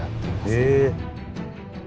へえ。